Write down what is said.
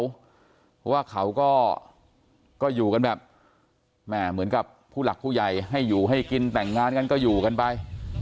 เพราะว่าเขาก็อยู่กันแบบแม่เหมือนกับผู้หลักผู้ใหญ่ให้อยู่ให้กินแต่งงานกันก็อยู่กันไป